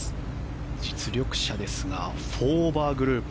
実力者ですが４オーバーグループ。